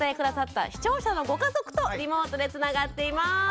下さった視聴者のご家族とリモートでつながっています。